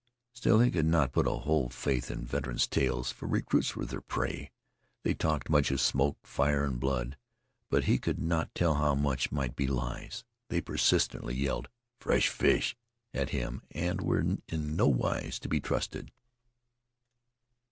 Still, he could not put a whole faith in veterans' tales, for recruits were their prey. They talked much of smoke, fire, and blood, but he could not tell how much might be lies. They persistently yelled "Fresh fish!" at him, and were in no wise to be trusted.